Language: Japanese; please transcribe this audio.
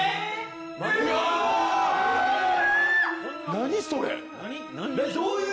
何それ！？